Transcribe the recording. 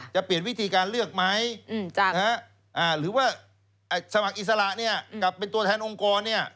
จะเปลี่ยนวิธีการเลือกไหมหรือว่าสมัครอิสระเนี่ยกับเป็นตัวแทนองค์กรเนี่ย